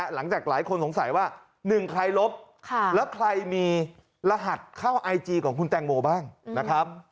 หลังจากหลายคนสงสัยว่า๑ใครลบแล้วใครมีรหัสเข้าไอจีของคุณแตงโมบ้างนะครับ